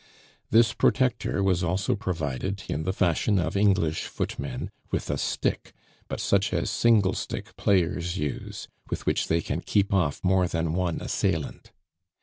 This protector was also provided, in the fashion of English footmen, with a stick, but such as single stick players use, with which they can keep off more than one assailant.